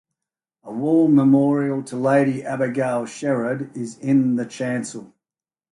A wall memorial to Lady Abigail Sherard is in the chancel.